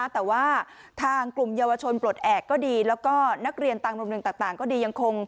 แต่ว่าทางกลุ่มเยาวชนปลดแอดก็ดี